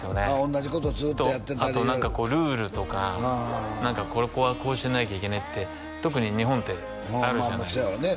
同じことずっととあと何かこうルールとか何かここはこうしなきゃいけないって特に日本ってあるじゃないですかまあまあそうやわね